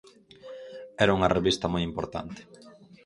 Era unha revista moi importante.